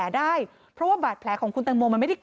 ด้านซ้ายมี